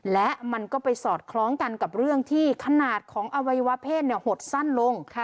และมันก็ไปสอดคล้องกันกับเรื่องที่ขนาดของอวัยวะเพศหดสั้นลง